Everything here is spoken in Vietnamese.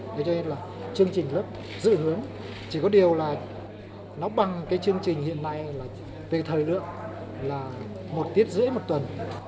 thế cho nên là chương trình lớp dự hướng chỉ có điều là nó bằng cái chương trình hiện nay là về thời lượng là một tiết rưỡi một tuần